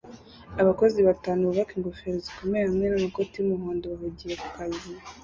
Abakozi batanu bubaka ingofero zikomeye hamwe namakoti yumuhondo bahugiye kukazi